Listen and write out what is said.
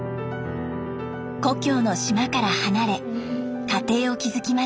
故郷の島から離れ家庭を築きました。